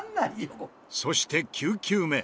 そして９球目。